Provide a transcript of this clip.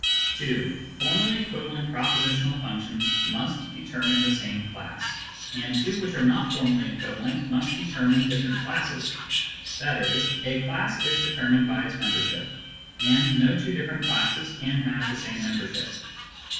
(2) Two formally equivalent propositional functions must determine the same class, and two which are not formally equiva lent must determine different classes. That is, a class is deter mined by its membership, and no two different classes can have the same membership.